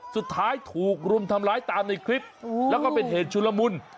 สุดท้ายถูกรุมทำร้ายตามในคลิปแล้วก็เป็นเหตุชุลมุน